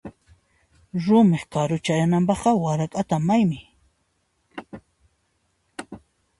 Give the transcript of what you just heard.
Rumi karu chayananpaq warak'ata maywiy.